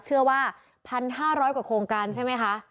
เชื่อว่า๑๕๐๐กว่าโครงการใช่ไหมคะ